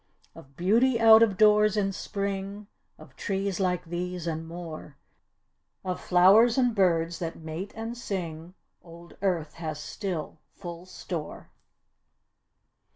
Of beauty out of doors in Spring, of trees like these, and more, Of flowers and birds that mate and sing, old Earth has still full store.